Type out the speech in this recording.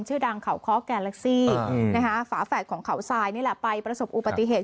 ชื่อดังเขาเคาะแกนเล็กซี่ฝาแฝดของเขาทรายนี่แหละไปประสบอุปติเหตุ